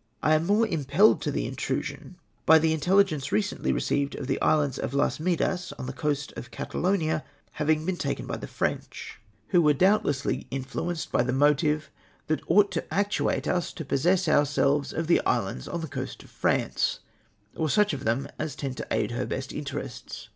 " I am tlie more impelled to the intrusion by the intelli gence recently received of the islands of Las j\Iedas on the coast of Catalonia having been taken by the French, who SUBMITTED TO THE FIEST LORD, 153 were doubtlessly influenced hj the motive that ougJit to actuate us to j^ossess ourselves of the islands on the coast of France, or such of them as tend to aid her best interests.